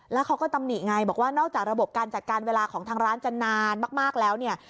แล้วเขาก็ตำหนิไงบอกว่านอกจากระบบการจัดการเวลาของทางร้านจะนานมากแล้วเนี่ย